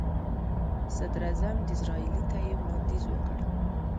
صدراعظم ډیزراییلي ته یې وړاندیز وکړ.